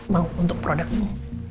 mau untuk produk ini